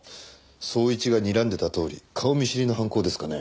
捜一がにらんでたとおり顔見知りの犯行ですかね？